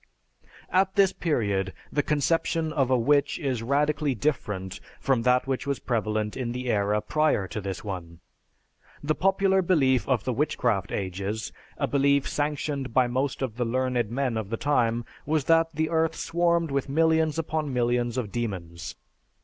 _) At this period the conception of a witch is radically different from that which was prevalent in the era prior to this one. The popular belief of the witchcraft ages, a belief sanctioned by most of the learned men of the time, was that the earth swarmed with millions upon millions of demons.